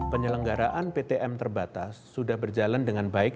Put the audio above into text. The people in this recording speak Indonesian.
penyelenggaraan ptm terbatas sudah berjalan dengan baik